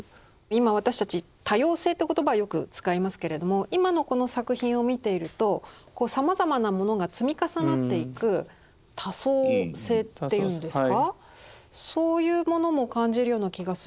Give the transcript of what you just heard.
今私たち多様性という言葉よく使いますけれども今のこの作品を見ているとさまざまなものが積み重なっていく多層性っていうんですかそういうものも感じるような気がするんですが。